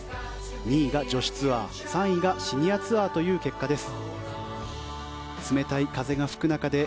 ２位が女子ツアー３位がシニアツアーという結果です。